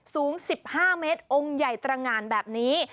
สูง๑๕เมตรองค์ใหญ่ตรงานแบบนี้